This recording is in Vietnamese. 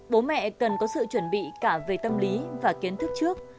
bố mẹ cần có sự chuẩn bị cả về tâm lý và kiến thức trước